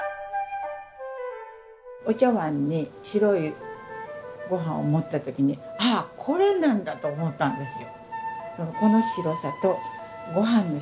お茶わんに白いごはんを盛った時にあこれなんだと思ったんですよ。